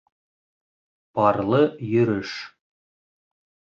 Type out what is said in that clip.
Парлы йөрөш